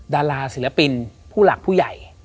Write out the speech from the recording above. ดาราศิลปินผู้หลักผู้ใหญ่